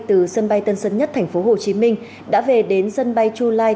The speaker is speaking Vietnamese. từ sân bay tân sân nhất tp hcm đã về đến sân bay july